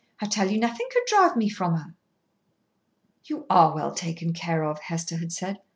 I tell you nothing could drive me from her." "You are well taken care of," Hester had said.